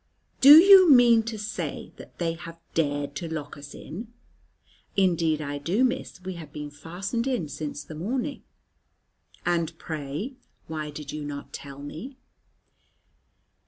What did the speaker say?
"Do you mean to say that they have dared to lock us in?" "Indeed I do, Miss; we have been fastened in since the morning." "And pray, why did you not tell me?